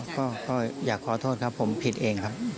ก็อยากขอโทษครับผมผิดเองครับ